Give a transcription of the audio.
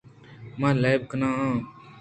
من لیب کن آں